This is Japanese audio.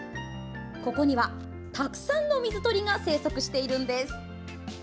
ここには、たくさんの水鳥が生息しているんです。